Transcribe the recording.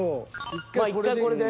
まあ１回これで。